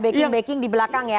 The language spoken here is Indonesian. backing backing di belakang ya